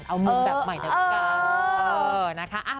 เอามุมแบบใหม่ด้วยกัน